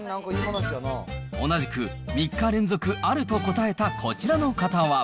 同じく３日連続あると答えたこちらの方は。